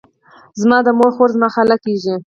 زما د مور خور، زما خاله کیږي.